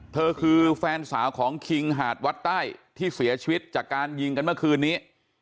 เธอคือแฟนสาวของคิงหาดวัดใต้ที่เสียชีวิตจากการยิงกันเมื่อคืนนี้